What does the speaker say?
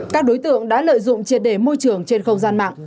các đối tượng đã lợi dụng triệt đề môi trường trên không gian mạng